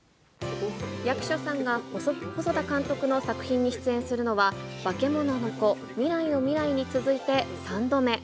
役所さんが細田監督の作品に出演するのは、バケモノの子、未来のミライに続いて３度目。